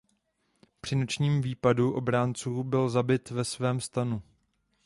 Při nočním výpadu obránců byl zabit ve svém stanu.